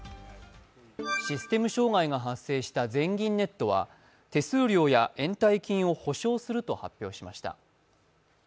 システム障害が発生した全銀ネットは手数料や延滞金を補償すると発表しました。